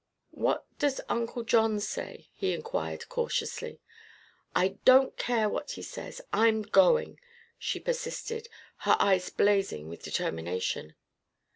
"What does Uncle John say?" he inquired cautiously. "I don't care what he says. I'm going!" she persisted, her eyes blazing with determination.